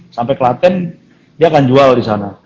sampe klaten dia akan jual disana